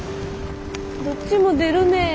「どっちも出るねん」